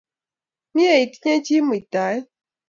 Mye itinye chi muitaet